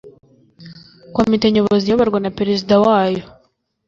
Komite Nyobozi iyoborwa na Perezida wayo